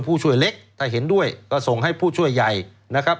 ผู้ช่วยเล็กถ้าเห็นด้วยก็ส่งให้ผู้ช่วยใหญ่นะครับ